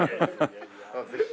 ぜひ。